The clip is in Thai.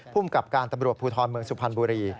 ภูมิกับการตำรวจภูทรเมืองสุพรรณบุรี